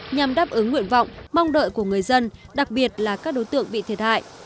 nhằm đáp ứng nguyện vọng mong đợi của người dân đặc biệt là các đối tượng bị thiệt hại